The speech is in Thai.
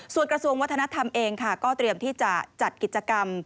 ส่วนกระทรวงวัฒนธรรมเองค่ะก็เตรียมที่จะจัดกิจกรรม